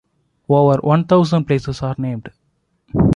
Over one thousand places are named.